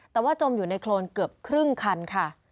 แต่ว่าจมอยู่ในโครนเกือบครึ่งคันค่ะ